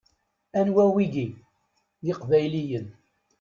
Anwa wigi? D iqbayliyen!